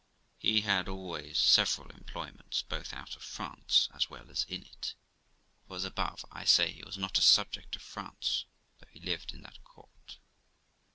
He had also several employments, both out of France as well as in it; for, as above, I say he was not a subject of France, though he lived in that court.